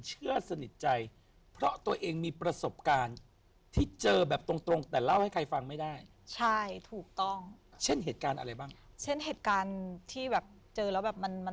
เชื่อสนิทใจเพราะตัวเองมีประสบการณ์